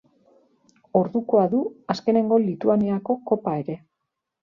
Ordukoa du azkenengo Lituaniako Kopa ere.